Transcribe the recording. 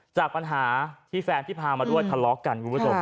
จากปัญหาที่แฟนที่พามาด้วยทะเลาะกันคุณผู้ชม